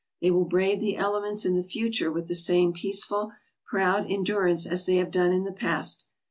They will brave the elements in the future with the same peaceful, proud endurance as they have done in the past.